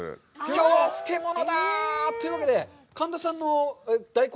京漬物だあ。というわけで、神田さんの大根？